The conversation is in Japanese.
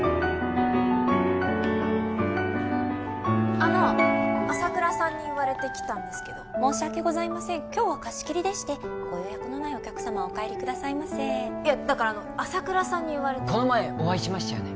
あの朝倉さんに言われて来たんですけど申し訳ございません今日は貸し切りでしてご予約のないお客様はお帰りくださいませいやだから朝倉さんに言われてこの前お会いしましたよね